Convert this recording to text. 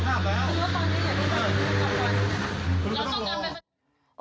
คุณก็ต้องรอ